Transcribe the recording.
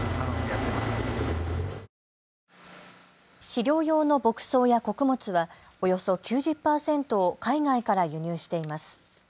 飼料用の牧草や穀物はおよそ９０％を海外から輸入しています。